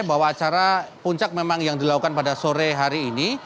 bahwa acara puncak memang yang dilakukan pada sore hari ini